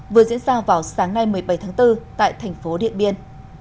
vừa diễn ra vào sáng nay một mươi bảy tháng bốn tại thành phố điện biên